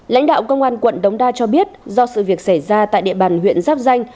lãnh đạo công an quận đống đa cho biết do sự việc xảy ra tại địa bàn huyện giáp danh